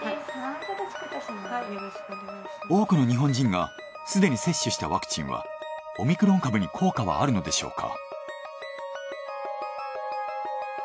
多くの日本人がすでに接種したワクチンはオミクロン株に効果はあるのでしょうか。